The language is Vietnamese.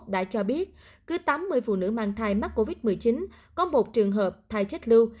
đã cho biết cứ tám mươi phụ nữ mang thai mắc covid một mươi chín có một trường hợp thai chết lưu